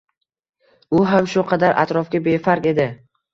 u ham shu qadar atrofga befark edi.